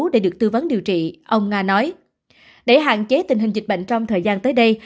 để hạn chế tình hình dịch bệnh trong thời gian tới đây